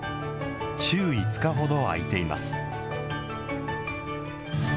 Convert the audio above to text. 週５日ほど開いています。